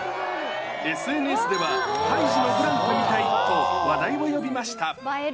ＳＮＳでは、ハイジのブランコみたいと話題を呼びました。